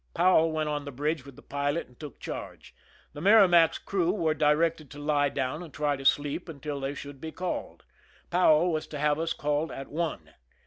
Powell W6)nt on the bridge with the pilot and took charge. The Merrima&s crew were directed to lie down and try to sleep until they should be called; Powell was to have us called at one.